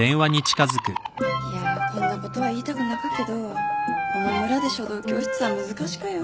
いやこんなことは言いたくなかけどこの村で書道教室は難しかよ。